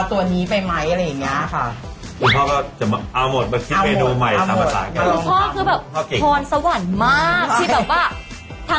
เค้ามีอะไรใหม่จากเมืองจีนสมัยนู้น